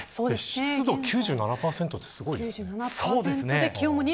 湿度が９７％ってすごいですよね。